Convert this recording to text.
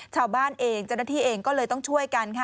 ชาวบ้านเองเจ้าหน้าที่เองก็เลยต้องช่วยกันค่ะ